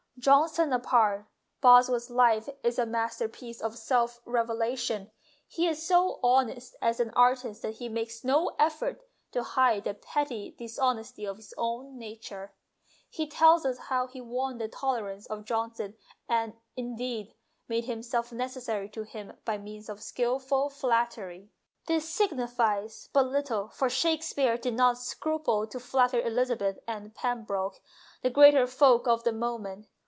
Johnson apart, Boswell's Life is a master piece of self revelation ; he is so honest as an artist that he makes no effort to hide the petty dishonesties of his own nature. He THE GIFT OF APPRECIATION 229 tells us how he won the tolerance of John son and, indeed, made himself necessary to him by means of skilful flattery. This sig nifies but little, for Shakespeare did not scruple to flatter Elizabeth and Pembroke, the greater folk of the moment.